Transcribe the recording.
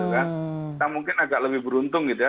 kita mungkin agak lebih beruntung gitu ya